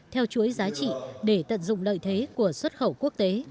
theo chuỗi giá trị để tận dụng lợi thế của xuất khẩu quốc tế